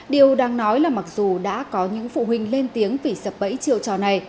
điều đang nói là mặc dù đã có những phụ huynh lên tiếng vì sập bẫy chiều trò này